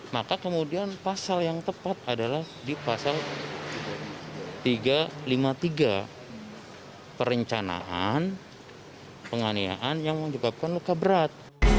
maka kemudian pasal yang tepat adalah di pasal tiga ratus lima puluh tiga perencanaan penganiayaan yang menyebabkan luka berat